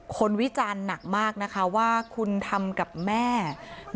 คนวิจารณ์หนักมากนะคะว่าคุณทำให้ไม่ได้